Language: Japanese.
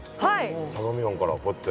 相模湾からこうやって。